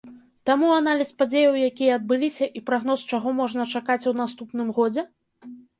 Таму аналіз падзеяў, якія адбыліся, і прагноз, чаго можна чакаць у наступным годзе?